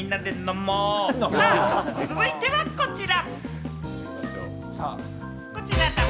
続いては、こちら。